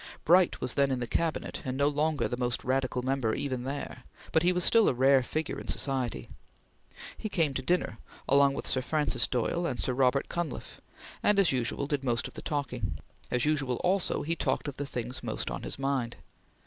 Bright was then in the Cabinet, and no longer the most radical member even there, but he was still a rare figure in society. He came to dinner, along with Sir Francis Doyle and Sir Robert Cunliffe, and as usual did most of the talking. As usual also, he talked of the things most on his mind.